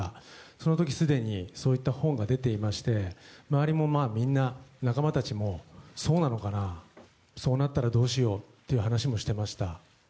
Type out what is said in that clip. そのときすでに、そういった本が出ていまして、周りもまあ、みんな、仲間たちも、そうなのかな、そうなったらどうしようっていう話もしてました。